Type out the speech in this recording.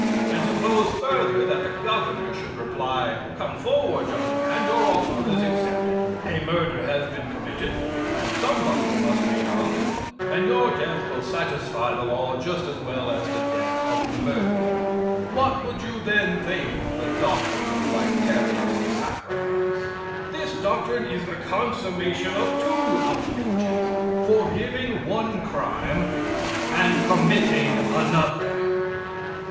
And suppose further that the Governor should reply, "Come forward, young man, your offer is accepted. A murder has been committed, and somebody must be hung, and your death will satisfy the law just as well as the death of the murderer." What would you then think of the doctrine of vicarious sacrifice?" This doctrine is the consummation of two outrages forgiving one crime and committing another.